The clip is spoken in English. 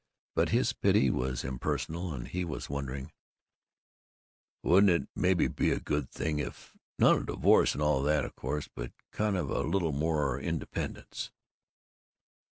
But his pity was impersonal, and he was wondering, "Wouldn't it maybe be a good thing if Not a divorce and all that, o' course, but kind of a little more independence?"